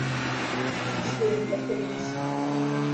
Yettmeslay mliḥ taglizit.